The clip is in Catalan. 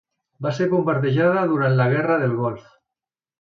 Va ser bombardejada durant la guerra del golf.